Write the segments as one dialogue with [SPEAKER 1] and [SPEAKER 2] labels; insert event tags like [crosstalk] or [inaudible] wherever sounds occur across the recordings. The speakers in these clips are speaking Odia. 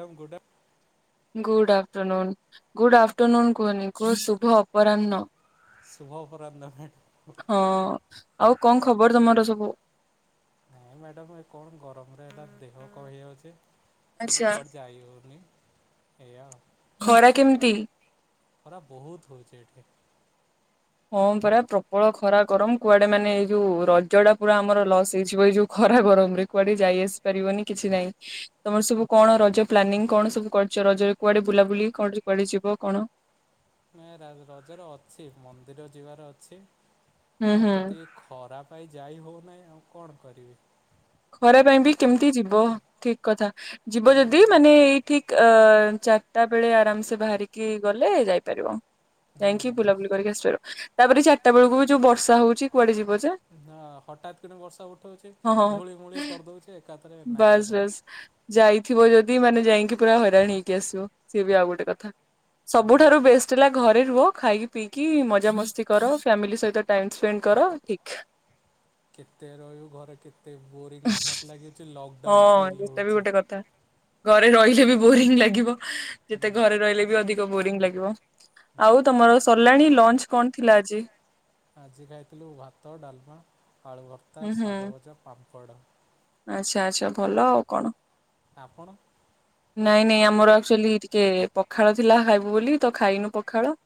[SPEAKER 1] ଡ଼ମ୍ ଗୁଡ଼ା।
[SPEAKER 2] ଗୁଡ ଆଫ୍ଟରନୁନ୍ ଗୁଡ ଆଫ୍ଟରନୁନ୍ କୁହନି କୁହ ଶୁଭ ଅପରାହ୍ନ।
[SPEAKER 1] ସୁୁଭ ଅପରାହ୍ନ ହେ
[SPEAKER 2] ହଁ ଆଉ କଣ ଖବର ତମର ସବୁ।
[SPEAKER 1] ନାଇଁ ମ୍ୟାଡ଼ାମ ଏ କଣ ଗରମରେ ଏଟା ଦେହ କ ହେଇ ଯାଉଛି। ତାପରେ କୁଆଡେ ଯାଇ ହଉନି ଏଇଆ। ଖରା ବହୁତ ହେଉଛେ ଏଠି।
[SPEAKER 2] ହଁ ପରା ପ୍ରବଳ ଖରା ଗରମ କୁଆଡେ ମାନେ ଏଇ ଯୋଉ ରଜ ଟା ପୁରା ଆମର ଲସ୍ ହେଇଯିବ ଏଇ ଯୋଉ ଖରା ଗରମ ରେ। କୁଆଡେ ଯାଇ ଆସି ପାରିବନି କିଛି ନାଇଁ। ତମର ସବୁ କଣ ରଜ ପ୍ଲାନିଂ କଣ ସବୁ କରଛ ରଜରେ କୁଆଡେ ବୁଲାବୁଲି କଣ କୁଆଡେ ଯିବ କଣ?
[SPEAKER 1] ରଜରେ ଅଛି ମନ୍ଦିର ଯିବାର ଅଛି ଆ କେତିକେ ଖରା ଯାଇ ହଉନାହିଁ ଆଉ କଣ କରିବି।
[SPEAKER 2] ଖରା ପାଇଁ ବି କେମିତି ଯିବ ଠିକ କଥା। ଯିବ ଯଦି ମାନେ ଏଇଠି ଅ ଚାରିଟା ବେଳେ ଆରାମସେ ବାହାରିକି ଗଲେ ଯାଇପାରିବ। ଯାଇକି ବୁଲାବୁଲି କରିକି ଆସପାର ତାପରେ ଚାରିଟା ବୁଳୁକୁ ବି ଯୋଉ ବର୍ଷା ହଉଛି କୁଆଡେ ଯିବ ଯେ।
[SPEAKER 1] ନା ହଠାତ୍ କିନା ବର୍ଷା ଉଠଉଛି ଧୂଳି ମୂଳି କରିଦଉଛି ଏକାଥରେ ନାକେଦମ।
[SPEAKER 2] ଯାଇଥିବ ଯଦି ମାନେ ଯାଇଁକି ପୁରା ହଇରାଣ ହେଇକି ଆସିବ ସିଏ ବି ଆଉ ଗୋଟେ କଥା। ସବୁଠାରୁ ବେଷ୍ଟ ଲା ଘରେ ରୁହ ଖାଇକି ପିଇକି ମଜାମସ୍ତି କର ଫ୍ୟାମିଲି ସହିତ ଟାଇମ ସ୍ପେଣ୍ଡ କର ଠିକ୍।
[SPEAKER 1] କେତେ ରହିବୁ ଘରେ କେତେ ବୋରିଂ ମତେ ଲାଗେ ଯେ ଲ
[SPEAKER 2] ହଁ ଏଟା ବି ଗୋଟେ କଥା। ଘରେ ରହିଲେ ବି ବୋରିଂ ଲାଗିବ ଯେତେ ଘରେ ରହିଲେ ବି ଅଧିକ ବୋରିଂ ଲାଗିବ। ଆଉ ତମର ସଲାଣି ଲଞ୍ଚ କଣ ଥିଲା ଆଜି?
[SPEAKER 1] ଆଜି ଖାଇଥିଲୁ ଭାତ ଡାଲମା ଆଳୁ ଭର୍ତା ଶାଗଭଜା ପାମ୍ପଡ଼।
[SPEAKER 2] ଆଛା ଆଛା ଭଲ ଆଉ କଣ।
[SPEAKER 1] ଆପଣ?
[SPEAKER 2] ନାଇଁ ନାଇଁ ଆମର ଆକ୍ଚୁଆଲି ଟିକେ ପଖାଳ ଥିଲା ଖାଇବୁ ବୋଲି ତ ଖାଇନୁ ପଖାଳ।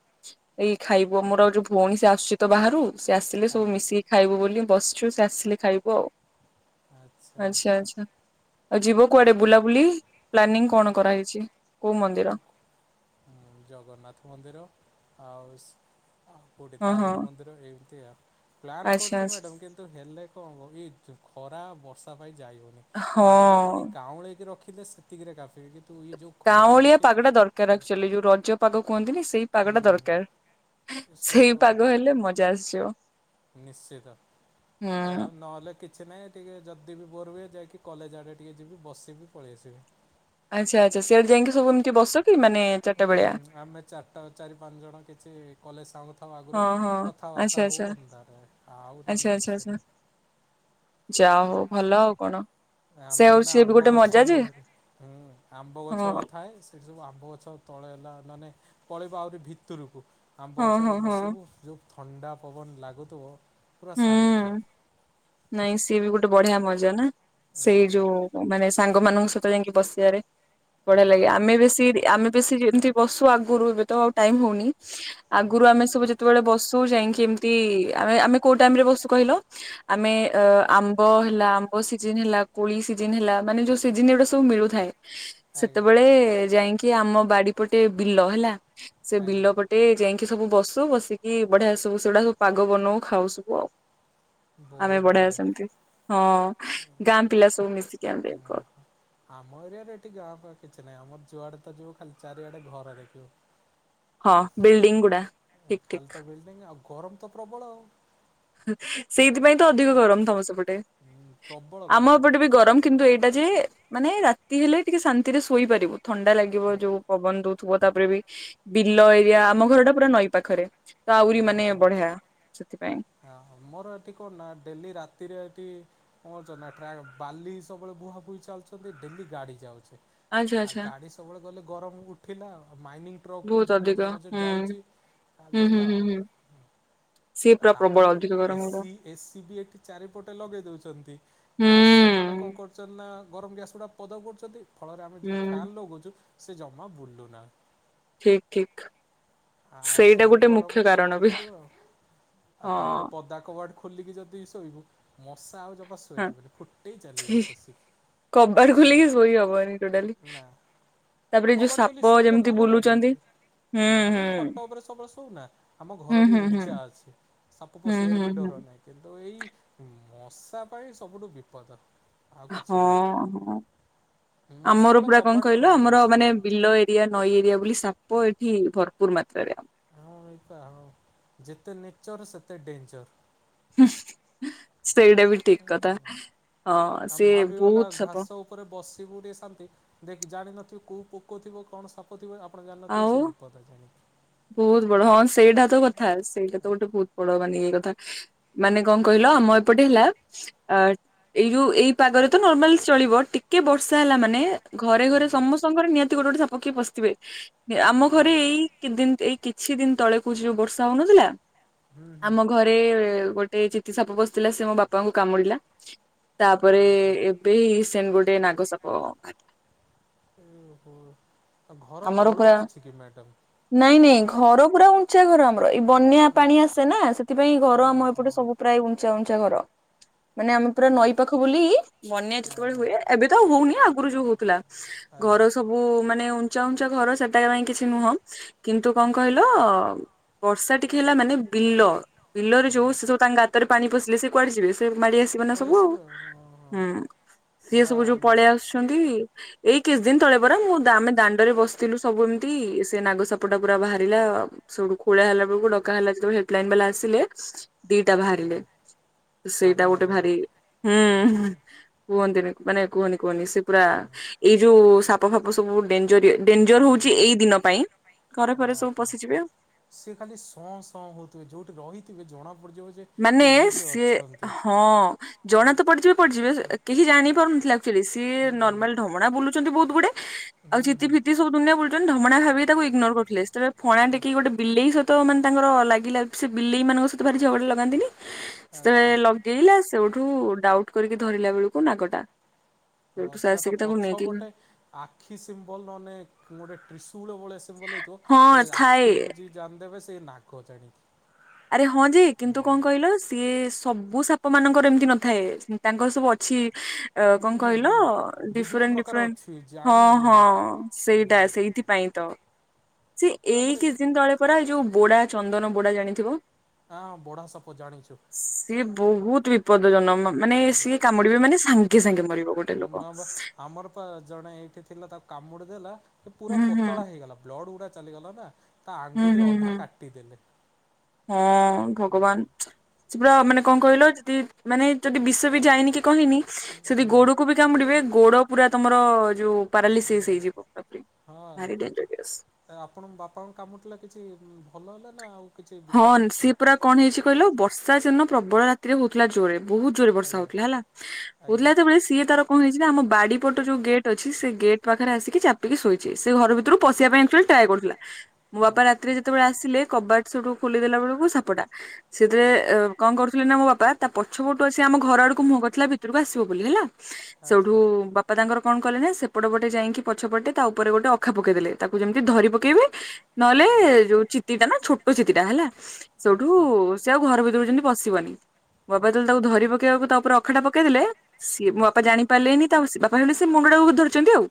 [SPEAKER 2] ଏଇ ଖାଇବୁ ଆମର ଯୋଉ ଭଉଣୀ ସେ ଆସୁଛି ତ ବାହାରୁ। ସେ ଆସିଲେ ସବୁ ମିଶିକି ଖାଇବୁ ବୋଲି ବସଚୁ ସେ ଆସିଲେ ଖାଇବୁ ଆଉ। ଆଛା ଆଛା ଆଉ ଯିବ କୁଆଡେ ବୁଲା ବୁ ପ୍ଲାନିଂ କଣ କରାହେଇଚି କୋଉ ମନ୍ଦିର?
[SPEAKER 1] ଜଗନ୍ନାଥ ମନ୍ଦିର ଆଉ ଆଉ କୋଉଠି ତାରିଣୀ ମନ୍ଦିର ଏମିତି ଆଉ। ପ୍ଲାନ୍ କରୁଚୁ ମ୍ୟାଡ଼ମ୍ କିନ୍ତୁ ହେଲେ କଣ ହବ ଏଇ ଖରା ବର୍ଷା ପାଇଁ ଯାଇଉନି। ପାଗ ଟା ଖାଲି କାଉଁଳେଇକି ରଖିଲେ ସେତିକିରେ କାଫି କି
[SPEAKER 2] ଗାଉଁଳିଆ ପାଗଟା ଦରକାର ଆକଚୁଆଲି ଯୋଉ ରଜ। ପାଗ କୁଅନ୍ତିନି ସେଇ ପାଗ ଟା ଦରକାର ସେଇ ପାଗ ହେଲେ ମଜା ଆସିଯିବ।
[SPEAKER 1] ନିଶ୍ଚିତ ନହଲେ କି କିଛି ନାହିଁ ଟିକେ ଯଦି ବି ବୋର ହୁଏ ଯାଇକି କଲେଜ ଆଡେ ଟିକେ ଯିବି ବସିବି ପଳେଇ ଆସିବି।
[SPEAKER 2] ଆଛା ଆଛା ସିଆଡେ ଯାଇଁକି ସବୁ ଏମିତି ବସ କି ମାନେ ଚାରଟାବଳିଆ?
[SPEAKER 1] ଚାରଟା ଚାରି ପାଞ୍ଚ ଜଣ କିଛି। କଲେଜ ସାଙ୍ଗ ଥାଉ ଆଗରୁ କଥାବାର୍ତ୍ତା ହଉ ଅନ୍ଧାରେ ଆଉ ନହଲେ କିଛି ନାହିଁ।
[SPEAKER 2] ଯା ହୋଉ ଭଲ ଆଉ କଣ।
[SPEAKER 1] ଆମେ ନହନେ ଆମ୍ବ ଗଛ ମୂଳ ହୁଁ ଆମ୍ବ ଗଛ ଥାଏ। ସେଇଠି ସବୁ ଆମ୍ବ ଗଛ ତଳେ ହେଲା ନନେ ପଳେଇବୁ ଆହୁରି ଭିତରକୁ। ଆମ୍ବ ଗଛ ବସିବୁ ଯୋଉ ଥଣ୍ଡା ପବନ ଲାଗୁଥିବ ପୁରା ଶାନ୍ତି।
[SPEAKER 2] ନାଇଁ ସିଏ ବି ଗୋଟେ ବଢିଆ ମଜା ନା ସେଇ ଯୋଉ ମାନେ ସାଙ୍ଗମାନାନଙ୍କ ସ ଯାଇଁକି ବସିବାରେ ବଢିଆ ଲାଗେ ଆମେ ବେଶୀ ଆମେ। ବେଶୀ ଯେମିତି ବସୁ ଆଗରୁ ଏବେ ତ ଆଉ ଟାଇମ ହଉନି ଆଗରୁ ଆମେ ସବୁ ଯେତେବେଳେ ବସୁ। ତୁ ଯାଇଁକି ଏମତି ଆମେ ଆମେ କୋଉ ଟାଇମରେ ବସୁ କହିଲ? ଆମେ ଅ ଆମ୍ବ ହେଲା, ଆମ୍ବ ସିଜନ ହେଲା, କୋଳି ସିଜନ ହେଲା ମାନେ ଯୋଉ ସିଜନ ଏଗୁଡା ସବୁ ମିଳୁଥାଏ। ସେତବେଳେ ଯାଇଁକି ଆମ ବାଡି ପଟେ ବିଲ ହେଲା ସେ ବିଲ ପଟେ ଟେ ଯାଇଁକି ସବୁ ବସୁ ବସିକି ବଢିଆ ସବୁ ସେଗୁଡା ସବୁ ପାଗ ବନଉ ଖାଉ ସବୁ ଆଉ। ଆମେ ବଢଆ ସେମତି ହଁ ଗାଁ ପିଲା ସବୁ ମିଶିକି ଆମେ।
[SPEAKER 1] ଆମ ଏରିଆରେ ଏଠି ଗାଁ ଫା କିଛି ନାହିଁ ଆମର ଯୁଆଡେ ତ ଯିବୁ ଖାଲି ଚାରିଆଡେ ଘରେ ଦେଖିବୁ।
[SPEAKER 2] ହଁ ବିଲ୍ଡିଙ୍ଗ ଗୁଡା ଠିକ ଠିକ।
[SPEAKER 1] ଇଁ ଆଉ ଗରମ ତ ପ୍ରବଳ ଆଉ।
[SPEAKER 2] ସେଇଥିପାଇଁ ତ ଅଧିକ ଗରମ ତମ ସେପଟେ ଆମ ଏପଟେ ବି ଗରମ। କିନ୍ତୁ ଏଇଟା ଯେ ମାନେ ରାତି ହେଲେ ଟିକେ ଶାନ୍ତିରେ ଶୋଇପାରିବୁ ଥଣ୍ଡା ଲାଗିବ ଯୋଉ। ପବନ ଦଉଥିବ ତାପରେ ବି ବିଲ ଏରିଆ ଆମ ଘର ଟା ପୁରା ନଈ ପାଖରେ। ତ ଆଉରି ମାନେ ବଢିଆ ସେଥିପାଇଁ।
[SPEAKER 1] ହ ମୋର ଏଠି କଣ ନା ଡେଲି ରାତିରେ ଏଠି। [unintelligible] ବାଲି ସବୁବେଳେ ବୁହା ବୁହି ଚାଲଚନ୍ତି ଡେଲି ଗାଡି ଯାଉଚି। ଆ ଗାଡ଼ି ସବୁବେଳେ ଗଲେ ଗରମ ଉଠିଲା ଆଉ ମାଇନିଂ ଟ୍ରକ୍ ବି ମଝିରେ ମଝିରେ ଯାଉଚି। ଗଲା ଆଉ। ତାପରେ A C A C B ଏଠି ଚାରିପଟେ ଲଗେଇ ଦଉଚନ୍ତି। ଆ ସେମାନେ କଣ କରୁଚନ୍ତି ନା ଗରମ ଗ୍ୟାସ ଗୁଡା ପଦା କରୁଚନ୍ତି ଫଳରେ ଆମେ ଯୋଉ ଫ୍ୟାନ ଲଗଉଚୁ। ସେ ଜମା ବୁଲୁ ନା
[SPEAKER 2] ଠିକ ଠିକ ସେଇଟା ଗୋ
[SPEAKER 1] ଗରମରେ ସିଜୁଚୁ ଆଉ ଆ ତାପରେ ଅଦା କବାଟ ଖୋଲିକି ଯଦି ଶୋଇବୁ ମଶା ଆଉ ଜମା। ଫୁଟେଇ ଚାଲିବେ ବସିକି ନା। କବାଟ ଖୋଲିକି ଶୋଇଲେ ଭଲ ଲାଗେ ଏଠି ନାଇଁ ଆମେ ଖଟ ଉପରେ ସବୁ ବସଉ ନା ଆମ ଘର ବି ଉଞ୍ଚା ଅଛି ସାପ ପଶିବାର ବି ଡର ନାହିଁ। କିନ୍ତୁ ଏଇ ମଶା ପାଇଁ ସବୁଠୁ ବିପଦ।
[SPEAKER 2] ହଁ ହଁ ଆମର ପୁରା କଣ କହିଲ ଆମର ମାନେ ବିଲ ଏ ଏରିଆ ନଈ ଏରିଆ ବୋଲି ସାପ ଏଠି ଭରପୁର ମାତ୍ରାରେ ଆମ।
[SPEAKER 1] ହଁ ଏଇପା ହଉ ଯେତେ ନେଚର ସେତେ ଡେଞ୍ଜର୍।
[SPEAKER 2] ସେଇଟା ବି ଠିକ କଥା ହଁ ସିଏ ବହୁତ ସାପ।
[SPEAKER 1] ରେ ବସିବୁସାନ୍ତି ଦେଖି ଜାଣିିନଥିବେ କୋଉ ପୋକ ଥିବ କଣ ଥିବେ ଆପଣ ଜାଣିନଥିବେ ସେ ବିପଦ
[SPEAKER 2] ବହୁତ ବଡ ହଁ ସେଇଟା ତ କଥା ସେଇଟା ତ ଗୋଟେ ବହୁତ ବଡ ମାନେ ଇଏ କଥା। ମାନେ କଣ କହିଲ ଆମ ଏପଟେ ହେଲା ଅ ଏଇ ଯୋଉ ଏଇ ପାଗରେ ତ ନର୍ମାଲ ଚଳିବ ଟିକେ ବର୍ଷା ହେଲା ମାନେ ଘରେ ଘରେ ସମସ୍ତଙ୍କର ନିହାତି ଗୋଟେ ଗୋଟେ ସାପ ପ କିଏ ପଶିଥିବେ ଆମ ଘରେ ଏଇ ଦିନ ଏଇ କିଛି ଦିନ ତଳେ କହୁଛି ଯୋଉ ବର୍ଷା ହଉନଥିଲା? ଆମ ଘରେ ଗୋଟେ ଚିତି ସାପ ପସିଥିଲା ସେ ମୋ ବାପାଙ୍କୁ କାମୁଡିଲା। ତାପରେ ଏବେ ହିଁ ରିସେଣ୍ଟ ଗୋଟେ ନାଗସାପ
[SPEAKER 1] ଓହୋ ଆଉ ଘର ତଳୁଆ ଅଛି କି ମ୍ୟାଡ଼ମ୍?
[SPEAKER 2] ନାଇଁ ନାଇଁ ଘର ପୁରା ଉଞ୍ଚା ଘର ଆମର ଏଇ ବନ୍ୟା ପାଣି ଆସ ସେନା ସେଥିପାଇଁ ଘର ଆମ ଏପଟେ ସବୁ ପ୍ରାୟ ଉଞ୍ଚା ଉଞ୍ଚା ଘର। ମାନେ ଆମେ ପୁରା ନଈ ପାଖ ବୋଲି ବନ୍ୟା ଯେତେବେଳେ ହୁଏ ଏବେ ତ ହଉନି ଆଗରୁ ଯୋଉ ହଉଥିଲା।
[SPEAKER 1] ଆଜ୍ଞା।
[SPEAKER 2] ସବୁ ମାନେ ଉଞ୍ଚା ଉଞ୍ଚା ଘର ସେଟା ପାଇଁ କିଛି ନୁହଁ କିନ୍ତୁ କଣ କହିଲ ବର୍ଷା ଟିକେ ହେଲା ମାନେ ବିଲ ବିଲରେ ଯୋଉ ସେ ସବୁ ତାଙ୍କ ଗାତରେ ପାଣି ପଶିଲେ ସେ କୁଆଡେ ଯିବେ? ମାଡି ଆସିବ ନା ସବୁ ଆଉ ହୁଁ ସିଏ ସବୁ ଯୋଉ ପଳେଇ ଆସୁ ଛନ୍ତି ଏଇ କିଛି ଦିନ ତଳେ ପରା ମୁଁ ଆମେ ଦା ଦାଣ୍ଡ ରେ ବସିଥିଲୁ ସବୁ ଏମିତି ସେ ନାଗ ସାପ ଟା ପୁରା ବାହାରିଲା ସବୁଠୁ ଖୋଳା ହେଲା ବେଳକୁ ଡକା ହେଲା ଯେତେବେଳେ ହେଲ୍ପ ଲାଇନ ବାଲା ଆସିଲେ ଦିଟା ବାହାରିଲେ। ସେଇଟା ଗୋଟେ ଭାରି ହୁଁ କୁହନ୍ତିନି ମାନେ କୁହନି କୁହନି ସେ ପୁରା ଏଇ ଯୋଉ ସାପ ଫାପ ସବୁ ଡେଞ୍ଜର ଡେଞ୍ଜର ହଉଛି ଏଇ ଦିନ ପାଇଁ।
[SPEAKER 1] ଓହୋ ସେ ଖାଲି ସ ସ ହଉଥିବେ ଯୋଉଠି ରହିଥିବେ ଜଣା ପଡିଯିବ ଯେ
[SPEAKER 2] ମାନେ ସିଏ ହଁ ଜଣା ତ ପଡିଯିବେ ପଡିଯିବେ କିଛି ଜାଣି ପାରୁନଥିଲା ନର୍ମାଲ ଢମଣା ବୁଲୁଛନ୍ତି ବହୁତ ଗୁଡେ ଆଉ ଚିତି ଫିତି ସବୁଦୁନିଆ ବୁଲୁଛନ୍ତି ଧମଣା ଭାବିକି ତାକୁ ଇଗନୋର କରୁଥିଲେ ଯେତେବେଳେ ଫଣା ଟେକିକି ଗୋଟେ ବିଲେଇ ସହିତ ମାନେ ତାଙ୍କର ଲାଗିଲା ସେ ବିଲେଇ ମାନଙ୍କ ସହିତ ଭାରି ଝଗଡା ଲଗାନ୍ତିନି ସେତବେଳେ ଲଗେଇଲା ସେଉଠୁ ଡାଉଟ୍ କରିକି ଧରିଲା ବେଳକୁ ନାଗଟା।
[SPEAKER 1] ହଁ ପୁରା ତା ପଛପଟେ ଆଖି ସିମ୍ବଲ ନହେଲେ ଗୋଟେ ତ୍ରିଶୂଳ ଭଳିଆ ସିମ୍ବଲ ହେଇଥିବ ସେ ଆଖି ହେଉଛି ଜାଣିଦେବେ ସେ ନାଗ ଜାଣିିକି।
[SPEAKER 2] ଆରେ ହଁ ଯେ କିନ୍ତୁ କଣ କହିଲ ସିଏ ସବୁ ସାପ ମାନଙ୍କର ଏମିତି ନଥାଏ। ତାଙ୍କର ସବୁ ଅଛି କଣ କହିଲ ଡିଫରେଣ୍ଟ ଡିଫରେଣ୍ଟ ହଁ ହଁ ସେଇଟା ସେଇଥିପାଇଁ। ତ ସେ ଏଇ କିଛି ଦିନ ତଳେ ପରା ଏଇ ଯୋଉ ବୋଡା ଚନ୍ଦନ ବୋଡା ଜାଣିଥିବ?
[SPEAKER 1] ହଁ ବଢା ସାପ ଜାଣିଛୁ।
[SPEAKER 2] ସିଏ ବହୁତ ବିପଦ ଜନକ ମାନେ ସିଏ କାମୁଡିବେ ମାନେ ସାଙ୍ଗେ ସାଙ୍ଗେ ମରିବେ।
[SPEAKER 1] ମା ବା ଆମର ଜଣେ ଏଇଠି ଥିଲା ତାକୁ କାମୁଡି ଦେଲା ପୁରା ପତଳା ହେଇଗଲା ବ୍ଲଡ ଗୁଡା ଚାଲିଗଲା ନା। ତା ଆଙ୍ଗୁଠି ଅଧା କାଟିଦେଲେ।
[SPEAKER 2] ହଁ ଭଗବାନ। ସେ ପୁରା ମାନେ କଣ କହିଲ ଯଦି ମାନେ ଯଦି ବିଷ ବି ଯାଇନି କି କହିନି ସେ ଯଦି ଗୋଡକୁ ବି କାମୁଡିବେ ଗୋଡ ପୁରା ତମର ଯୋଉ
[SPEAKER 1] ହୁଁ ହଁ। ଆପଣଙ୍କ ବାପାଙ୍କ କାମୁଡିଥିଲା କିଛି ଭଲ ହେଲେ ନା ଆଉ
[SPEAKER 2] ହଁ ସିଏ ପୁରା କଣ ହେଇଛି କହିଲ ବର୍ଷା ସେଦିନ ପ୍ରବଳ ରାତି ରେ ହଉଥିଲା ଜୋରେ ବହୁତ ଜୋରେ ବର୍ଷା ହଉଥିଲା ହେଲା। ହଉଥିଲା ଯେତେବେଳେ ସିଏ ତାର କଣ ହେଇଛି ଆମ ବାଡି ପଟ ଯଉ ଗେଟ୍ ଅଛି ସେ ଗେଟ୍ ପାଖରେ ଆିକି ଚାପିକି ଶୋଇଛି ସେ ଘର ଭିତରୁକୁ ପଶିବା ପାଇଁକ୍ଚୁଆଲି ଟଏ କରୁଥିଲା ମୋ ବାପା ରାତିରେ ଯେତେବେଳେ ଆସିଲେ କବାଟ ସେଠୁ ଖୋଲିଦେଲା ବେଳକୁ ସାପଟା। ସେଥିରେ କଣ କରୁଥିଲେ ନା ମୋ ବାପା ତା ପଛପଟୁ ଆସି ଆମ ଘର ଆଡକୁ ମୁହଁ କରିଥିଲା ଭିତରକୁ ଆସିବ ବୋଲି ହେଲା। ସେଠୁ ବାପା। ବାପା ତାଙ୍କର କଣ କଲେ ନା ସେପଟ ପଟେ ଯାଇକି ପଛପଟେ ତା ଉପରେ ଗୋଟେ ଅଖା ପକେଇ ଦେଲେ ତାକୁ ଯେମିତି ଧରି ପକେଇବେ ନହେଲେ ଯୋଉ ଚିତିଟା ନା ଛୋଟ ଚିତିଟା ହେଲା ସେୋଠୁ ସେ ଆଉ ଘର ଭିତରୁ ଯଛନ୍ତିି ପଶିବନି ବାବା ତହେଲେ ତାକୁ ଧରି ପକେଇବାକୁ ତା ଉପରେ ଅଖଟା ପକେଇ ଦେଲେ ସିଏ ମୋ ବାପା ଜାଣି ପାରିଲେନି ତା ସେ ବାପା ହେଲେ ସେ ମୁଣ୍ଡ ଟାକୁ ବି ଧରିଛନ୍ତି ଆଉ।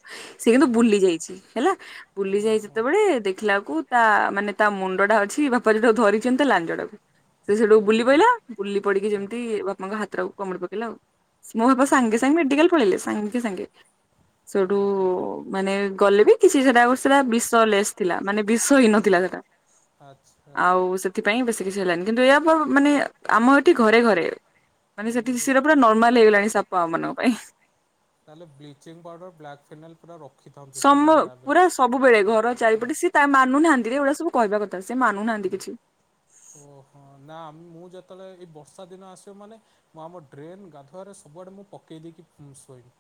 [SPEAKER 2] ସେ କିନ୍ତୁ ବୁଲି ଯାଇଛି ହେଲା ବୁଲି ଯାଇ ଯେତେବେଳେ ଦେଖିଲା ବେକୁ- ତା ମାନେ ତା ମୁଣ୍ଡ ଟା ଅଛି ବାପା ଯୋଠାକୁ ଧରିଛନ୍ତି ଲାଞ୍ଜ ଟାକୁ ସେ ସେଠୁ ବୁଲି ପହିଲା ବୁଲି ପଡିକି ଯେମିତି ବାପାଙ୍କ ହାତରେ ଆଉ କମୁଡି ପକେଇଲା ଆଉ। ମୁଁ ହେବ ସାଙ୍ଗେ ସାଙ୍ଗେ ମେଡିକାଲ ପଳେଇିଲି ସାଙ୍ଗେ ସାଙ୍ଗେ। ସେଠୁ ମାନେ ଗଲେ ବି କିଛି ସେଟା ଗୋଟ ସେଟା ବିଷ ଲେସ୍ ଥିଲା ମାନେ ବିଷ ହଇ ନଥିଲା ସେଟା।
[SPEAKER 1] ପାଞ୍ଚ
[SPEAKER 2] ଆଉ ସେଥିପାଇଁ ବେଶୀ କିଛି ହେଲାନି କିନ୍ତୁ ଏହାୟ ମାନେ ଆମ ଏଠି ଘରେ ଘରେ। ମାନେ ସେଠି ଶିା ପୁରା ନର୍ମାଲ ହେଇଗଲାଣି ସାପ ଆମ ମାନଙ୍କ ପାଇଁ।
[SPEAKER 1] ତାହେ ବ୍ଲିଚି ପାଉଡାର ବ୍ଲ୍ୟା ଫାଇ ପୁରା ରଖ
[SPEAKER 2] ସମ ପୁରା ସବୁବେଳେ ଘର ଚାରିପଟେ ସିଏ ତା ମାନୁନାହାନ୍ତିରେ ଏଗୁଡା ସବୁ କହିବା କଥା ସେ ମାନୁନାହାନ୍ତି କିଛି।
[SPEAKER 1] ନା ମୁଁ ଯେତେବେଳେ ଏଇ ବର୍ଷା ଦିନ ଆସିବ ମାନେ। ମୁଁ ଆମ ଡ୍ରେନ୍ ଗାଧୁଆରେ ସବୁଆଡ଼େ ମୁଁ ପକାଇ ଦେଇକି ଶୋଇମି।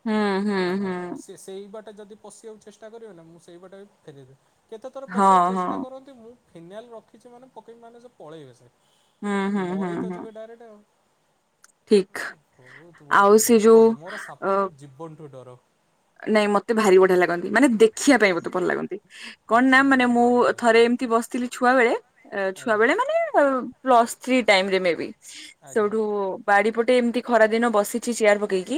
[SPEAKER 1] ଓ ହଁ ଆଉ ସେ ସେଇ ବାଟା ଯଦି ପଶିବାକୁ ଚେଷ୍ଟା କରିବେ ନା ମୁଁ ସେଇ ବାଟା ବି ଫେରିଦେ କେତେଥର ପଶେଇବାକୁ ଚେଷ୍ଟା କରନ୍ତି ମୁଁ ଫିନାଇଲ୍ ରଖିଛି ମାନେ ପକେଇକି ମାନେ ସେ ପଳେଇବେ ସେ ମରି ତ ଯିବେ ଡାଇରେକ୍ଟ ଆଉ।
[SPEAKER 2] ଠିକ ଆଉ ସେ ଯୋଉ ଅ
[SPEAKER 1] ଜୀବନଠ ର।
[SPEAKER 2] ନାଇଁ ମତେ ଭାରି ବଢିଆ ଲାଗନ୍ତି ମାନେ ଦେଖିବା ପାଇଁ ବହୁତେ ଭଲ ଲାଗନ୍ତି। କଣ ନା ମାନେ ମୁଁ ଥରେ ଏମିତି ବସିଥିଲି ଛୁଆ ବେଳେ ଛୁଆ ବେଳେ ମାନେ ପ୍ଲସ୍ ଥ୍ରୀ ଟାଇମରେ ମବ ସେଠୁ ବାଡି ପଟେ ଏମିତି ଖରା ଦିନ ବସିଛି ଚେୟାର ପକେଇକି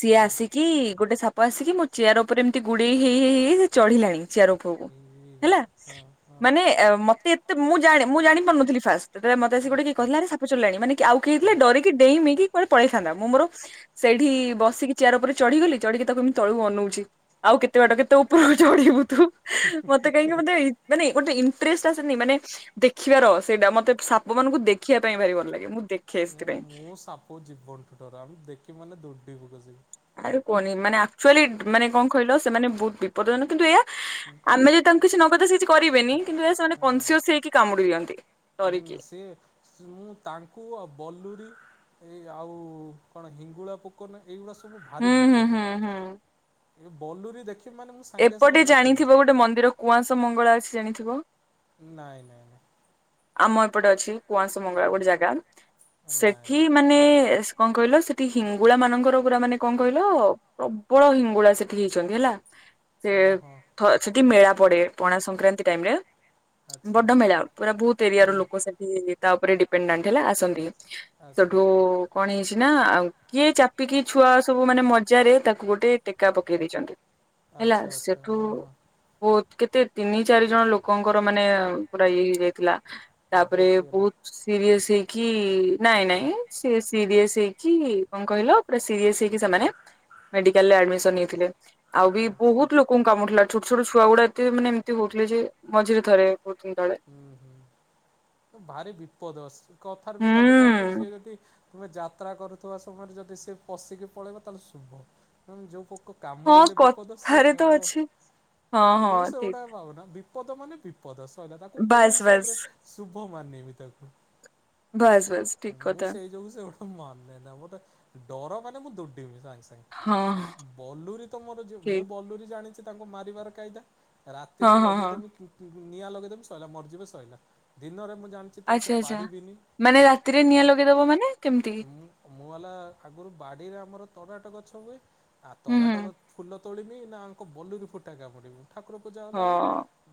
[SPEAKER 2] ସିଏ ଆସିକି ଗୋଟେ ସା ଆସିକି ମୋ ଚେୟାର ଉପରେ ଏମିତି ଗୁଡେଇ ହେଇ ହେଇ ହେଇ ସେ ଚଢ଼ିଲାଣି। ଚିଆର ଉପରକୁ ହେଲା ମାନେ ମତେ ଏତେ ମୁଁ ମୁଁ ଜାଣି ପାରୁନଥିଲି ଫାଷ୍ଟ। ମତେ ସେ ଗୋଟେଏ କଥିଲା ଆ ସାପ ଚଲିଲଣି ମାନେ ଆଉ ହେଇ ଡ ଡେଇଁମେଇଁକି କଆଡେ ପଳେଇଥାନ୍ତା। ମୁଁ ମୋର ସେଇଠି ବସିକି ଚେୟାର ଉପରେ ଚଢିଗଲି। ଚଢିକି ତାକୁ ଏମି ତଳୁକୁ ଅନଉଛି। ଆଉ କେତେ ବାଟ କେତେ ଉପରକୁ ଚଢିବୁ ତୁ। ମତେ କାହିଁକି ମତେ ମାନେ ଗୋଟେ ଇଣ୍ଟରେଷ୍ଟ୍ ଆସେନି ମାନେ ଦେଖିବାର ସେଇଟା ମତେ ସାପ ମାନଙ୍କୁ ଦେଖିବା ପାଇଁ ଭାରି ଭଲ ଲାଗେ। ମୁଁ ଦେଖ୍
[SPEAKER 1] ମୁଁ ମୁଁ ସାପ ଜୀବନଠୁ ଡର। ଆମେ ଦେଖିବୁ ମାନେ ଦୌଡିବି କସି।
[SPEAKER 2] ଆରେ କୁଅନି ମାନେ ଆକ୍ଚୁଆଲି ମାନେ କଣ କହିଲ ସେମାନେ ବହୁତ ବିପଦଜନକ କିନ୍ତୁ ଏୟା ଆମେ ଯଦି ତାଙ୍କୁ କିଛି ନ କଲେ ସେ କିଛି କରିବେନି କିନ୍ତୁ ଏହା ସେମାନେ କନ୍ସିଅସ୍ ହେଇକି କାମୁଡି ଦିଅନ୍ତି।
[SPEAKER 1] ହୁଁ ସିଏ ମୁଁ ତାଙ୍କୁ, ଆଉ ବଲୁରୀ, ଏ ଆଉ କଣ ହିଙ୍ଗୁଳା ପୋକ ଏଇଗୁଡା ସବୁ ଭାରି ବିପଦ। ଏ ବଲୁରୀ ଦେଖିବି ମାନେ ମୁଁ
[SPEAKER 2] ଏପଟେ ଜାଣିଥିବ ଗୋଟେ ମନ୍ଦିର କୁଆଁସ ମଙ୍ଗଳା ଅଛି ଜାଣିଥିବ।
[SPEAKER 1] ନାଇଁ ନାଇଁ ନାଇଁ।
[SPEAKER 2] ଆମ ଏପଟେ ଅଛି କୁଆଁସ ମଙ୍ଗଳା ଗୋଟେ ଜାଗା। ସେଠି ମାନେ କଣ କହିଲ, ସେଠି ହିଙ୍ଗୁଳା ମାନଙ୍କର ପୁରା ମାନେ କଣ କହିଲ? ପ୍ରବଳ ହିଙ୍ଗୁଳା ସେଠି ହେଇଛନ୍ତି ହେଲା। ସିଏ ଥ ସେଠି ମେଳା ପଡେ, ପଣା ସଂକ୍ରାନ୍ତି ଟାଇମ୍ ରେ। ବଡ ମେଳା ପୁରା ବହୁତ ଏରିଆର ଲୋକ ସେଠି ତା ଉପରେ ଡିପେଣ୍ଡାଣ୍ଟ ହେଲା ଆସନ୍ତି। ସେଉଠୁ କଣ ହେଇଛି ନା ଆଉ କିଏ ଚାପିକି ଛୁଆ ସବୁ ମାନେ ମଜାରେ, ତାକୁ ଗୋଟେ ଟେକା ପକେଇ ଦେଇଛନ୍ତି।
[SPEAKER 1] ଆଚ୍ଛା ଆଚ୍ଛା ହଁ ହଁ।
[SPEAKER 2] ବହୁତ କେତେ ତିନି ଚାରି ଜଣ ଲୋକଙ୍କର ମାନେ ପୁରା ଇଏ ହେଇଯାଇଥିଲା। ତାପରେ ବହୁତ ସିରିଏସ୍ ହେଇକି, ନାଇଁ ନାଇଁ ସିଏ ସିରିଏସ୍ ହେଇକି କଣ କହିଲ ପୁରା ସିରିୟସ୍ ହେଇକି ସେମାନେ ମେଡିକାଲରେ ଆଡ଼ମିଶନ୍ ନେଇଥିଲେ। ଆଉ ବି ବହୁତ ଲୋକ ଙ୍କୁ କାମୁଡିଲା। ଛୋଟ ଛୋଟ ଛୁଆ ଗୁଡା ଏତେ ମାନେ ଏମତି ହଉଥିଲେ ଯେ ମଝିରେ ଥରେ ବହୁତ ଦିନ ତଳେ।
[SPEAKER 1] ଭାରି ବିପଦ। ସି କଥାରେ ବି ତାକୁ କୁହନ୍ତି ଯିଏ ଯଦି ତୁମେ ଯାତ୍ରା କରୁଥିବା ସମୟରେ ଯଦି ସିଏ ପଶିକି ପଳେଇବ ତାହେଲେ ଶୁଭ। [unintelligible] ଯେଉଁ ପୋକ କାମୁଡିଲେ ବିପଦ। ସିଏ କାମ ମୁଁ ସେଗୁଡା ଭାବୁନା ବି। ବିପଦ ମାନେ ବିପଦ ସଇଲା। ତାକୁ କୋଉ ହିସାବରେ ଶୁଭ ମାନିବି ତାକୁ‌। ମୁଁ ସେଇ ଯୋଗୁ ସେଗୁଡା ମାନେନା ମୋତେ ଡର ମାନେ ମୁଁ ଦୌଡିବି ସାଙ୍ଗେ ସାଙ୍ଗେ। ବଲୁୁରୀ ତ ମୋର ଯୋଉ ମୁଁ ବଲୁୁରୀ ଜାଣିଛି ତାଙ୍କୁ ମାରିବାର କାଇଦା। ରାତିରେ ଲଗେଇଦେବି ନି-ନିଆଁ ଲଗେଇଦେବି ସଇଲା ମରିଯିବେ ସଇଲା। ଦିନରେ ମୁଁ ଜାଣି
[SPEAKER 2] ଆଚ୍ଛା ଆଚ୍ଛା। ମାନେ ରାତିରେ ନିଆଁ ଲଗେଇଦବ ମାନେ କେମିତି?
[SPEAKER 1] ମୁଁ ହେଲା ଆଗରୁ ବାଡ଼ିରେ ଆମର ତରାଟ ଗଛ ହୁଏ। ଆ ତରାଟ ଗ ଫୁଲ ତୋଳିବି ନା ଆଙ୍କ ବଲୁରି ଫୁଟା କାମୁଡ଼ିବି ଠାକୁର ପୂଜା ହେଲାବେଳେ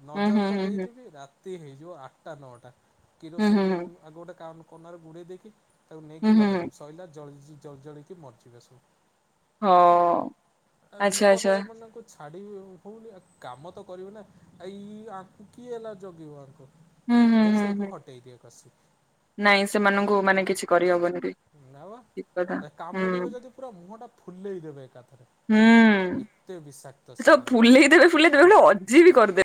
[SPEAKER 1] ନଜର ତ ଦେଇଥିବି। ରାତି ରାତି ହେଇଯିବ ଆଠଟା ନଅଟା। କିରୋସିନ୍ ଆଗ ଗୋଟେ କନାରେ ଗୁଡ଼େଇ ଦେଇକି ତାକୁ ନେଇକି ଲଗେଇଦେବି ସଇଲା। ଜ ଜଳି ଜଳିକି ମରିଯିବେ ସବୁ। ଆ ବିପଦ ଏମାନଙ୍କୁ ଛାଡି ବି ହଉନି ଆ କାମ ତ କରିବି ନା। ଏଇ ଆଙ୍କୁ କିଏ ଏଲା ଜଗିବ ଆଙ୍କୁ। ଦେ ସେଇଠୁ ହଟେଇ ଦିଏ କସି।
[SPEAKER 2] ନାଇଁ ସେମାନଙ୍କୁ ମାନେ କିଛି କରିହବନି କି।
[SPEAKER 1] ନା ବା ସେ କାମୁଡିବେ ଯଦି ପୁରା ମୁହଁଟା ଫୁଲେଇ ଦେବେ ଏକାଥରେ। ଏତେ ବିଷାକ୍ତ ସେମାନେ।
[SPEAKER 2] ଜିଏବି କରିଦେ